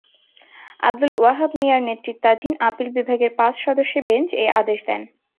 আবদুল ওয়াহ্হাব মিঞার নেতৃত্বাধীন আপিল বিভাগের পাঁচ সদস্যের বেঞ্চ এ আদেশ দেন।